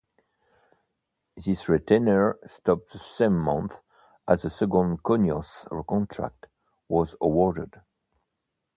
This retainer stopped the same month as the second Cognos contract was awarded.